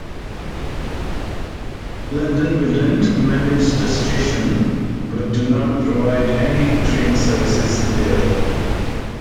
London Midland manage the station but do not provide any train services there.